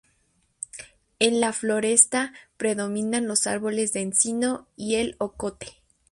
En la floresta, predominan los árboles de encino y el ocote.